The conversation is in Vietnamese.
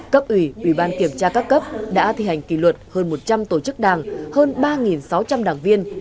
cấp ủy ủy ban kiểm tra các cấp đã thi hành kỳ luật hơn một trăm linh tổ chức đảng hơn ba sáu trăm linh đảng viên